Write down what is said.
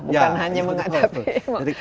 bukan hanya mengadapi